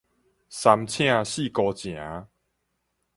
三請四姑情